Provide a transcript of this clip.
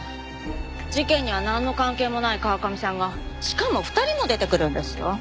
事件にはなんの関係もない川上さんがしかも２人も出てくるんですよ。